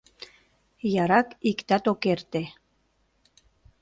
Ярак иктат ок эрте: